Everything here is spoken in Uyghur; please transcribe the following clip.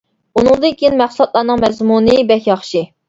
ئۇنىڭدىن كېيىن مەھسۇلاتلارنىڭ مەزمۇنى بەك ياخشى.